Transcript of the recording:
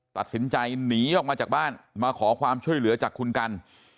ตัดสินใจหนีออกมาจากบ้านมาขอความช่วยเหลือจากคุณกัน